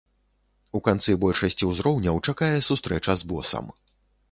У канцы большасці ўзроўняў чакае сустрэча з босам.